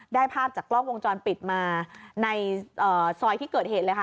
ภาพจากกล้องวงจรปิดมาในซอยที่เกิดเหตุเลยค่ะ